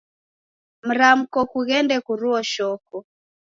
Mramko kughende kuruo shoko.